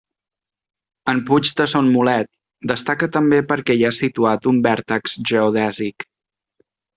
En puig de Son Mulet destaca també perquè hi ha situat un vèrtex geodèsic.